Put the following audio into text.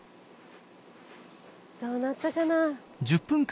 どうなったかな？